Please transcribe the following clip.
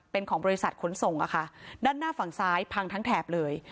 เป็นของบริษัทขนส่งอะค่ะด้านหน้าฝั่งซ้ายพังทั้งแถบเลย